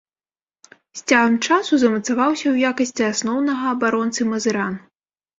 З цягам часу замацаваўся ў якасці асноўнага абаронцы мазыран.